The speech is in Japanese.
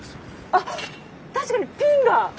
あっ確かにピンが！